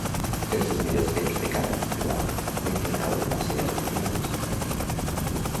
Els dos millors temps de cada quart de final passen a semifinals.